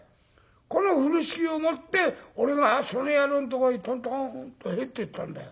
この風呂敷を持って俺がその野郎んとこへとんとんと入ってったんだよ。